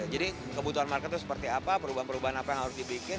jadi kebutuhan market itu seperti apa perubahan perubahan apa yang harus dibikin